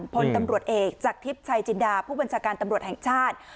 พลตำรวจเอกจากทิพย์ชัยจินดาผู้บัญชาการตำรวจแห่งชาติ